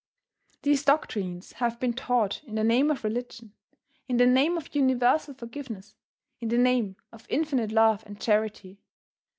These doctrines have been taught in the name of religion, in the name of universal forgiveness, in the name of infinite love and charity.